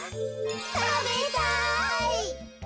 たべたい。